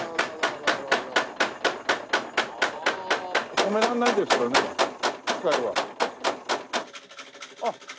止められないですよね